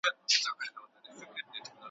ریښتیا زوال نه لري ,